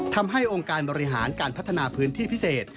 ทำให้องค์การบริหารการพัฒนาพื้นที่พิเศษ